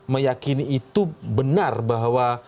meyakini itu benar bahwa